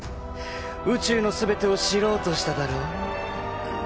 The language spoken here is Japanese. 宇宙の全てを知ろうとしただろう？